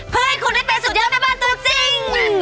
เพื่อให้คุณได้เป็นสุดยอดแม่บ้านตัวจริง